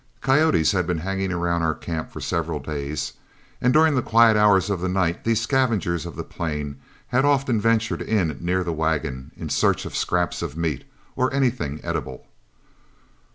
Coyotes had been hanging around our camp for several days, and during the quiet hours of the night these scavengers of the plain had often ventured in near the wagon in search of scraps of meat or anything edible.